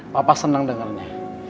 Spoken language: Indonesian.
papa senang dengarnya